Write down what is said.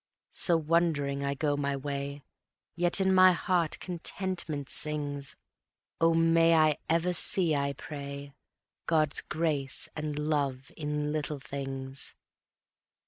So wondering I go my way, Yet in my heart contentment sings ... O may I ever see, I pray, God's grace and love in Little Things.